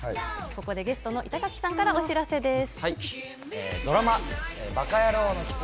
ここでゲストの板垣さんからお知らせです。